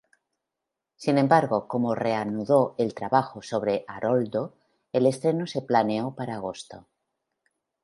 Sin embargo, como reanudó el trabajo sobre "Aroldo", el estreno se planeó para agosto.